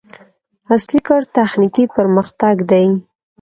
اصلي کار تخنیکي پرمختګ دی.